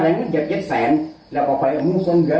ไปเรียนหากันบอกบอกแล้วพี่เจ้าข้าพูดสิเจ้าที่เดียว